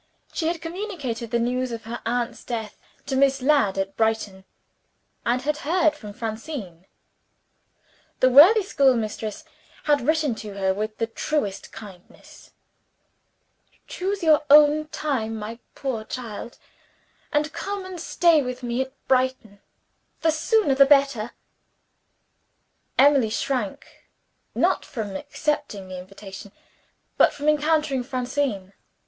She had communicated the news of her aunt's death to Miss Ladd, at Brighton; and had heard from Francine. The worthy schoolmistress had written to her with the truest kindness. "Choose your own time, my poor child, and come and stay with me at Brighton; the sooner the better." Emily shrank not from accepting the invitation but from encountering Francine.